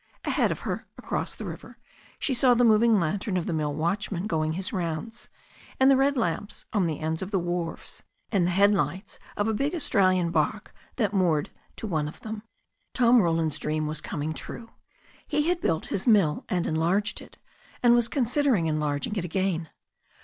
Ahead of her, across the river, she saw the moving lantern of the mill watchman going his rounds, and the red lamps on the ends of the wharves, and the head lights of a big Australian barque that lay moored to one of them. Tom Roland's dream was coming true. He had built his mill and enlarged it, and was considering enlarging it again.